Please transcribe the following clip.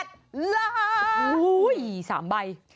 โอ้โหสามใบ